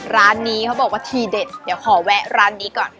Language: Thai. ร้านนี้เขาบอกว่าทีเด็ดเดี๋ยวขอแวะร้านนี้ก่อน